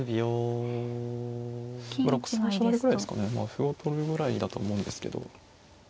歩を取るぐらいだと思うんですけど。